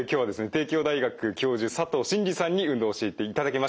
帝京大学教授佐藤真治さんに運動を教えていただきました。